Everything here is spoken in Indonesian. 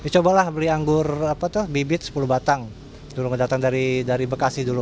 cobalah beli anggur bibit sepuluh batang dulu datang dari bekasi dulu